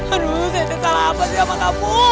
aduh setret salah apa sih sama kamu